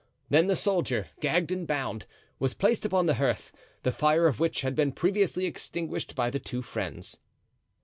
Then the soldier, gagged and bound, was placed upon the hearth, the fire of which had been previously extinguished by the two friends.